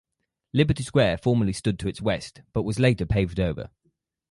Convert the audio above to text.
Liberty Square formerly stood to its west but was later paved over.